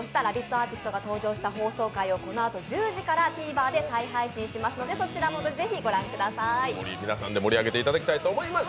アーティストが登場した放送回をこのあと１０時からＴＶｅｒで再配信しますので皆さんで盛り上げていただきたいと思います。